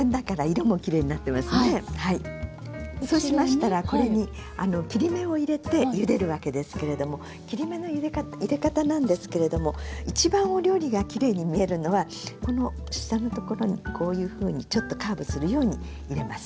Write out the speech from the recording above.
そうしましたらこれに切り目を入れてゆでるわけですけれども切り目の入れ方なんですけれども一番お料理がきれいに見えるのはこの下のところにこういうふうにちょっとカーブするように入れます。